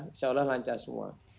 insya allah lancar semua